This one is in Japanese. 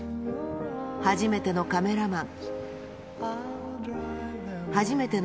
初めてのカメラマン。